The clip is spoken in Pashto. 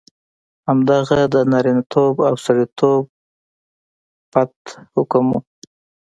همدغه د نارینتوب او سړیتوب پت حکم وو.